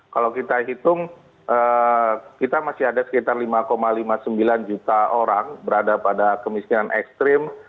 kalau kita hitung kita masih ada sekitar lima lima puluh sembilan juta orang berada pada kemiskinan ekstrim